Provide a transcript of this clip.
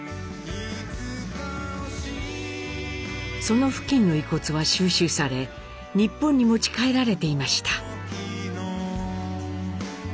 その付近の遺骨は収集され日本に持ち帰られていました。